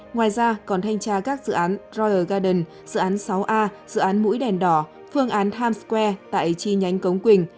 ngoài ra còn thanh tra các dự án royer garden dự án sáu a dự án mũi đèn đỏ phương án times square tại chi nhánh cống quỳnh